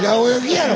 やろ